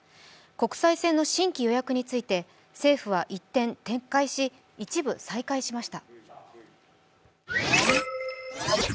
国際線の新規予約について政府は一転、撤回し一部、再開しました。